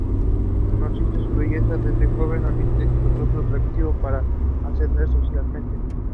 Consciente de su belleza desde joven, Olimpia explotó su atractivo para ascender socialmente.